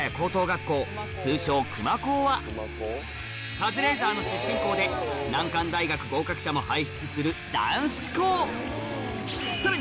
カズレーザーの出身校で難関大学合格者も輩出する男子校